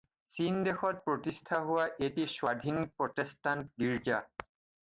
চীন দেশত প্ৰতিস্থা হোৱা এটি স্বাধীন প্ৰটেষ্টান্ত গীৰ্জা।